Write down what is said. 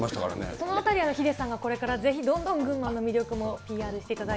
そのあたりはヒデさんがこれからぜひどんどん群馬の魅力もＰＲしていただいて。